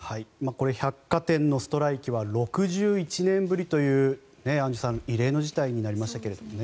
百貨店のストライキは６１年ぶりというアンジュさん、異例の事態になりましたけどね。